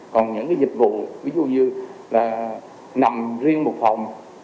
còn những dịch vụ ví dụ như là nằm riêng một phòng